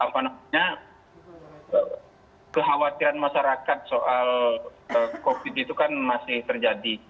karena kekhawatiran masyarakat soal covid sembilan belas itu kan masih terjadi